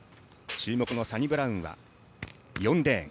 注目のサニブラウンは４レーン。